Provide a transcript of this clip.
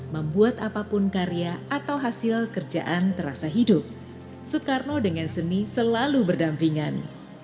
membuat apapun karya atau hasil kerjaan terasa hidup soekarno dengan seni selalu berdampingan